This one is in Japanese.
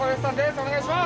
お願いします。